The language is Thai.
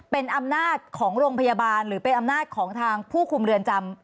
เป็นอำนาจของโรงพยาบาลหรือเป็นอำนาจของทางผู้คุมเรือนจำ